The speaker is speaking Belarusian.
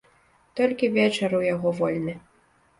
Толькі вечар у яго вольны.